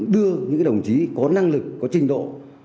đưa những đồng chí có năng lực có trình độ